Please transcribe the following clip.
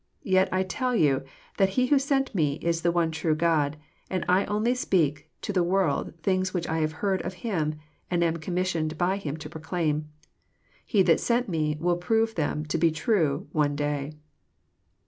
Yet I tell you that He who sent Me is the one true God ; and I only speak to the world things which I have heard of Him, and am com missioned by Him to proclaim. He that sent Me will prove them to be true one day."